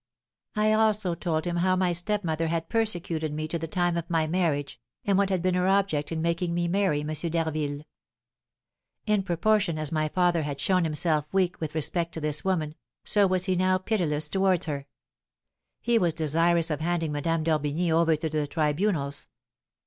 I also told him how my stepmother had persecuted me to the time of my marriage, and what had been her object in making me marry M. d'Harville. In proportion as my father had shown himself weak with respect to this woman, so was he now pitiless towards her. He was desirous of handing Madame d'Orbigny over to the tribunals.